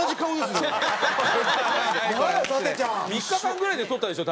３日間ぐらいで撮ったでしょ？